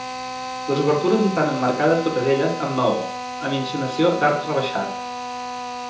Les obertures estan emmarcades totes elles amb maó, amb insinuació d'arc rebaixat.